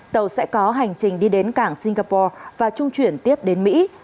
tàu sẽ có hành trình đi đến cảng singapore và trung chuyển tiếp đến mỹ